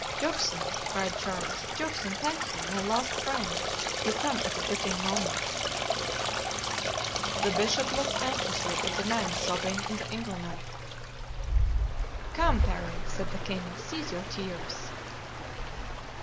"Juxon!" cried Charles, "Juxon, thank you, my last friend; you come at a fitting moment." The bishop looked anxiously at the man sobbing in the ingle nook. "Come, Parry," said the king, "cease your tears."